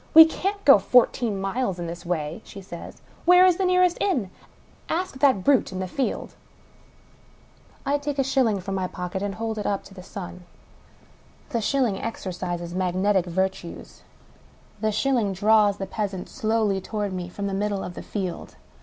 " We can't go fourteen miles in this way," she says. *' Where is the nearest inn ? Ask that brute in the field !" I take a shilling from my pocket and hold it up in the sun. The shilling exercises magnetic virtues. The shil ling draws the peasant slowly toward me from the middle of the field.